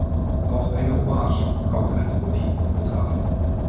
Auch eine Hommage kommt als Motiv in Betracht.